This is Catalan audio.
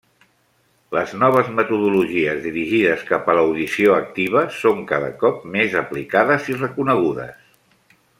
Les noves metodologies dirigides cap a l'audició activa són cada cop més aplicades i reconegudes.